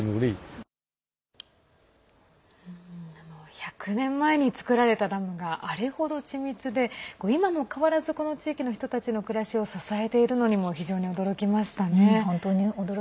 １００年前に造られたダムが、あれほど緻密で今も変わらずこの地域の人たちの暮らしを支えているのにも非常に驚きましたね。